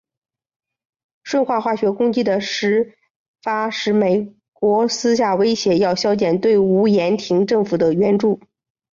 顺化化学攻击的事发使美国私下威胁要削减对吴廷琰政府的援助。